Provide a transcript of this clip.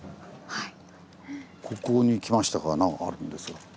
はい。